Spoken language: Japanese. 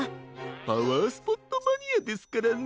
パワースポットマニアですからね。